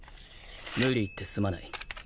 無理言ってすまない。